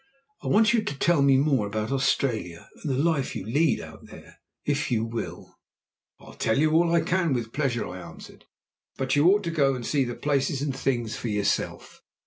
"I want you to tell me more about Australia and the life you lead out there, if you will." "I'll tell you all I can with pleasure," I answered. "But you ought to go and see the places and things for yourself.